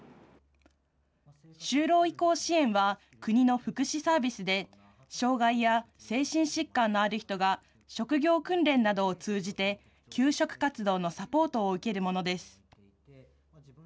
就労移行支援は、国の福祉サービスで、障害や精神疾患のある人が、職業訓練などを通じて、求職活動のサポートを受けるものです。